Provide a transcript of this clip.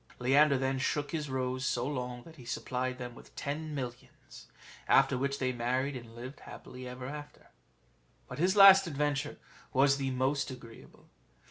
Leander then shook his rose so long, that he supplied them with ten millions; after which they married, and lived happily together. But his last adventure was the most agreeable.